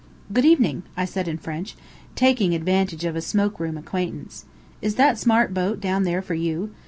"Good evening," I said in French, taking advantage of a smoke room acquaintance. "Is that smart boat down there for you?